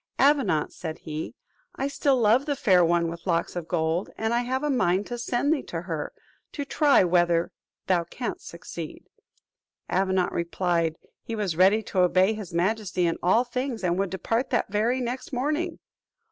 "Avenant," said he, "I still love the Fair One with Locks of Gold; I have a mind to send thee to her, to try whether thou canst succeed," Avenant replied, he was ready to obey his majesty in all things, and would depart the very next morning.